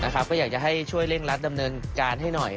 ก็อยากจะให้ช่วยเร่งรัดดำเนินการให้หน่อย